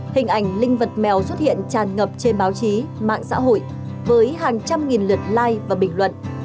hình ảnh linh vật mèo xuất hiện tràn ngập trên báo chí mạng xã hội với hàng trăm nghìn lượt like và bình luận